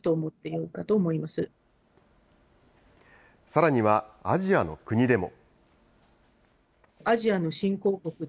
さらにはアジアの国でも。